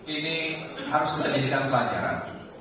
ini harus menjadikan pelajaran